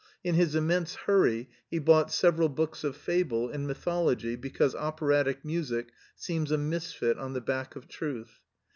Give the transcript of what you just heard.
In his immense hurry he bought several books of fable and mythology because operatic music seems a misfit on the back of truth.